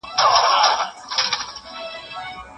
له نسیم سره زګېروئ د جانان راغی